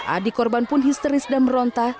adik korban pun histeris dan meronta